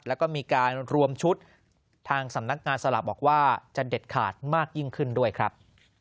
แล้วก็มีการรวมชุดทางสำนักงานสลากบอกว่าจะเด็ดขาดมากยิ่งขึ้นด้วยครับ